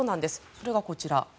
それがこちら。